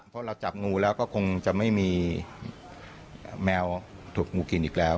เพราะเราจับงูแล้วก็คงจะไม่มีแมวถูกงูกินอีกแล้ว